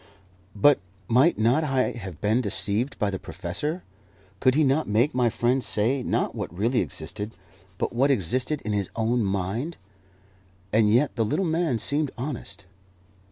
But might not I have been deceived by the professor? Could he not make my friend say, not what really existed, but what existed in his own mind? And yet the little man seemed honest!